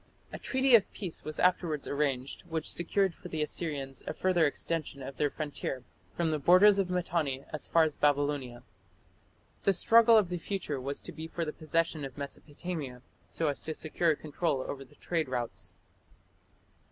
A treaty of peace was afterwards arranged, which secured for the Assyrians a further extension of their frontier "from the borders of Mitanni as far as Babylonia". The struggle of the future was to be for the possession of Mesopotamia, so as to secure control over the trade routes.